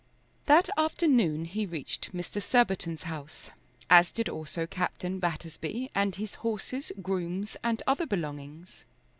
That afternoon he reached Mr. Surbiton's house, as did also Captain Battersby, and his horses, grooms, and other belongings.